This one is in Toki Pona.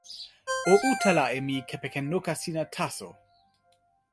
o utala e mi kepeken noka sina taso.